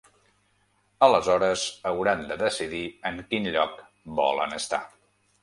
Aleshores hauran de decidir en quin lloc volen estar.